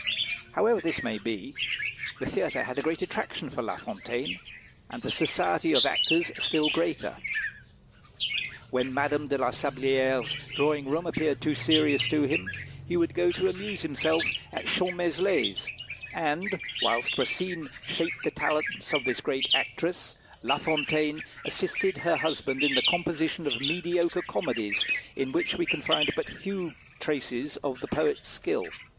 However this may be, the theatre had a great attraction for La Fontaine, and the society of actors a still greater. When Madame de la Sablière's drawing room appeared too serious to him, he would go to amuse himself at Champmeslé's, and, whilst Racine shaped the talents of this great actress, La Fontaine assisted her husband in the composition of mediocre comedies, in which we can find but few traces of the poet's skill.